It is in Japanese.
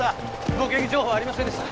目撃情報はありませんでした。